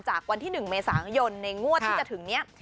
จากวันที่๑เมษายนในงวดที่จะถึงนี้